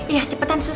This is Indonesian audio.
iya cepetan sus